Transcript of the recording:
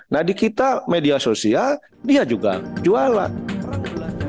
nah di kita media sosial dia juga jualan